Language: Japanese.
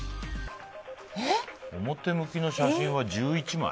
表向きの写真は１１枚？